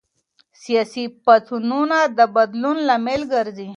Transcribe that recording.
سياسي پاڅونونه د بدلون لامل ګرځي.